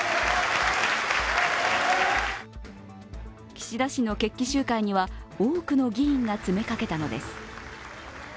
岸田氏の決起集会には多くの議員が詰めかけたのです。